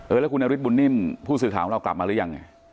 เออแล้วคุณอาริสบุญนิ่มผู้สื่อถามของเรากลับมาหรือยังไง